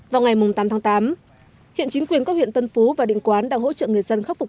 vào ngày tám tháng tám hiện chính quyền các huyện tân phú và định quán đang hỗ trợ người dân khắc phục